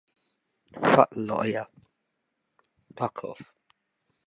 The numbers in parentheses are the estimated standard deviations for the last digit.